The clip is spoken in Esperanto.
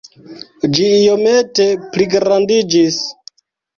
Ĝi iomete pligrandiĝis.